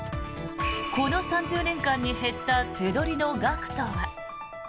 この３０年間に減った手取りの額とは。